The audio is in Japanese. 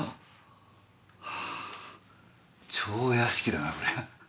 はぁ蝶屋敷だなこりゃ。